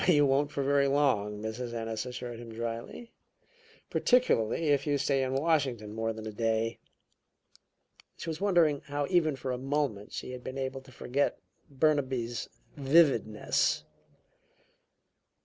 "You won't for very long," Mrs. Ennis assured him dryly. "Particularly if you stay in Washington more than a day." She was wondering how even for a moment she had been able to forget Burnaby's vividness.